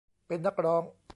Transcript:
เป็นนักร้อง